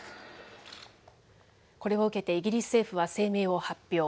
これを受けてイギリス政府は声明を発表。